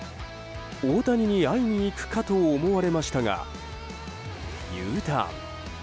大谷に会いに行くのかと思われましたがＵターン。